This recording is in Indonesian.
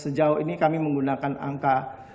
sejauh ini kami menggunakan angka enam puluh lima